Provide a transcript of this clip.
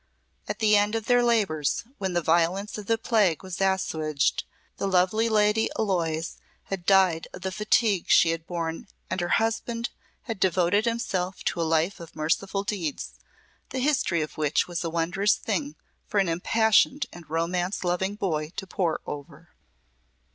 At the end of their labours, when the violence of the plague was assuaged, the lovely lady Aloys had died of the fatigues she had borne and her husband had devoted himself to a life of merciful deeds, the history of which was a wondrous thing for an impassioned and romance loving boy to pore over.